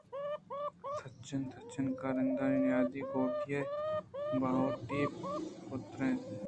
تچان تچانءَ کائیگرانی نیادی ءَ کُوٹی ئے ءَ باہوٹی پُتراِیت